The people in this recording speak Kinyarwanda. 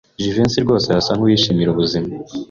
Jivency rwose asa nkuwishimira ubuzima.